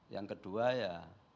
yang kedua ya